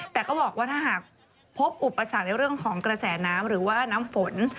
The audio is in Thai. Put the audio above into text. แต่ก็บอกว่าถ้าหากพบอุปสรรคในเรื่องของกระแสน้ำหรือว่าน้ำฝน